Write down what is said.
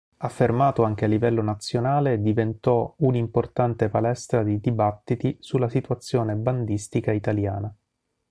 Affermato anche a livello nazionale diventò un'importante palestra di dibattiti sulla situazione bandistica italiana.